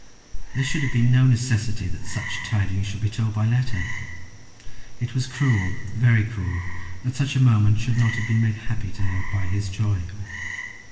There should have been no necessity that such tidings should be told by letter. It was cruel, very cruel, that such a moment should not have been made happy to her by his joy.